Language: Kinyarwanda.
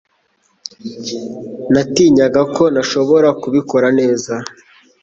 Natinyaga ko ntashobora kubikora neza